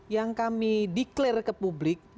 yang kami declare ke publik